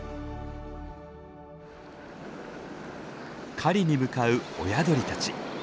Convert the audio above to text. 狩りに向かう親鳥たち。